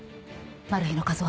マル被の数は？